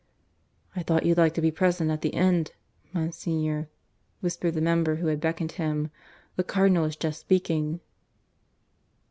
"I thought you'd like to be present at the end, Monsignor," whispered the member who had beckoned him. "The Cardinal is just speaking."